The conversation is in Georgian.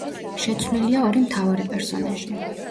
შეცვლილია ორი მთავარი პერსონაჟი.